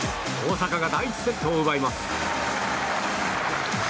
大坂が第１セットを奪います。